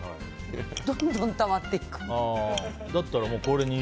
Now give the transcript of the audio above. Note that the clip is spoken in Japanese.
どんどんたまっていく。